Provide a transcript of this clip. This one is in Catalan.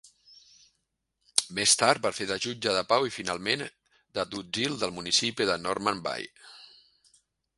Més tard va fer de jutge de pau i finalment d"agutzil del municipi de Normanby.